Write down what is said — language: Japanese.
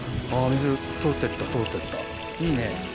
水通ってった通ってったいいね。